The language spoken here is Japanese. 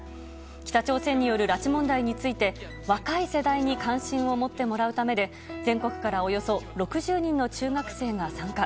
北朝鮮による拉致問題について若い世代に関心を持ってもらうためで全国からおよそ６０人の中学生が参加。